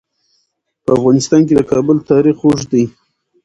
په افغانستان کې د کابل تاریخ اوږد دی.